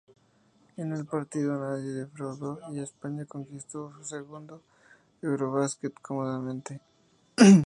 En el partido nadie defraudó, y España conquistó su segundo Eurobasket cómodamente.